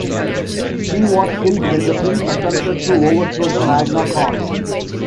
She was killed when the prince attempted to overthrow the Magna Khan.